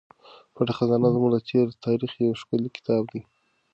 پټه خزانه زموږ د تېر تاریخ یو ښکلی کتاب دی.